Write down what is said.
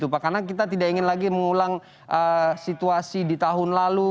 karena kita tidak ingin lagi mengulang situasi di tahun lalu